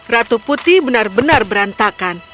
ratu putih benar benar berantakan